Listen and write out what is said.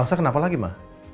elsa kenapa lagi ma